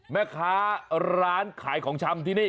แม่ค้าร้านขายของชำที่นี่